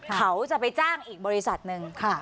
เขาจะไปจ้างอีกบริษัทหนึ่ง